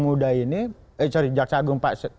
muda ini eh sorry jaksa agung pak